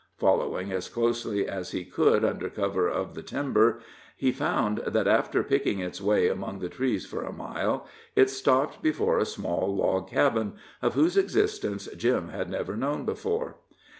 Following as closely as he could under cover of the timber, he found that, after picking its way among the trees for a mile, it stopped before a small log cabin, of whose existence Jim had never known before.